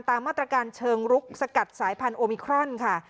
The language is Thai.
ตามมาตรการเชิงลุกสกัดสายพันธุมิครอนค่ะ